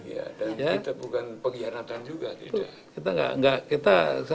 dan kita bukan pengkhianatan juga